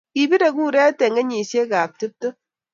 Kibirei kuret eng kenyishiekab tuptem